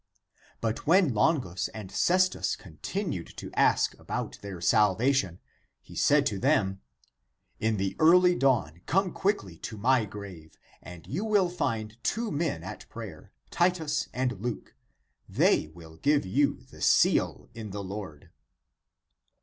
But when Longus and Cestus continued to ask ^ about their salvation, he said to them, " In the early dawn come quickly to my grave, and you will find two men at prayer, Titus and Luke; they will give you the seal in the Lord."